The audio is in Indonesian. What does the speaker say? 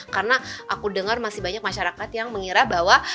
karena aku dengar masih banyak masyarakat yang mengira bahwa